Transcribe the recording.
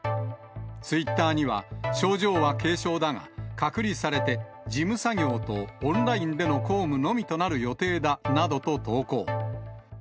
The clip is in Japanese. ツイッターには、症状は軽症だが、隔離されて事務作業とオンラインでの公務のみとなる予定だなどと投稿。